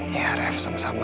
ya ref sama sama